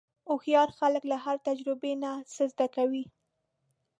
هوښیار خلک له هرې تجربې نه څه زده کوي.